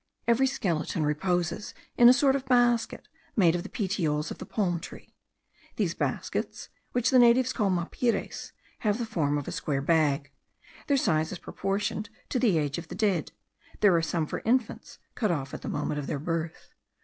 Every skeleton reposes in a sort of basket made of the petioles of the palm tree. These baskets, which the natives call mapires, have the form of a square bag. Their size is proportioned to the age of the dead; there are some for infants cut off at the moment of their birth.